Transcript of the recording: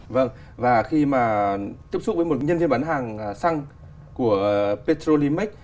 vâng và khi mà tiếp xúc với một nhân viên bán hàng xăng của petrolimax